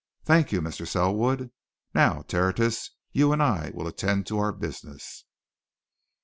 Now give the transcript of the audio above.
Thank you, Mr. Selwood. Now, Tertius, you and I will attend to our business."